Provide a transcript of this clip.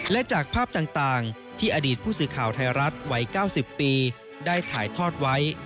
และจากภาพต่างที่อดีตผู้สื่อข่าวไทยรัฐวัย๙๐ปีได้ถ่ายทอดไว้